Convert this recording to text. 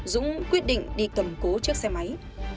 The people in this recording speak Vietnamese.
dũng quyết định đi cầm cố chiếc xe máy